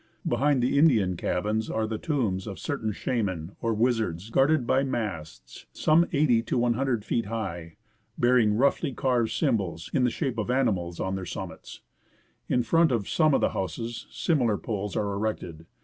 Behind the Indian cabins are the tombs of certain scharndn, or wizards, guarded by masts, some 80 to 100 feet high, bearing roughly carved symbols, in the shape of animals, on their summits. In front of some of the houses, similar poles are erected.